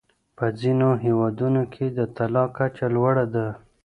په ځینو هېوادونو کې د طلاق کچه لوړه ده.